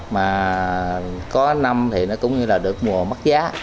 mà có năm thì nó cũng như là được mùa mất giá